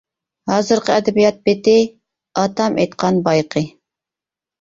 ھازىرقى ئەدەبىيات بېتى ‹ئاتام ئېيتقان بايىقى› .